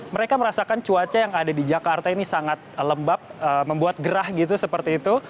mereka merasakan cuaca yang ada di jakarta ini sangat lembab membuat gerah gitu seperti itu